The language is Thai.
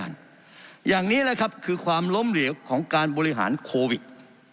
อย่างนี้แหละครับคือความล้มเหลวของการบริหารโควิด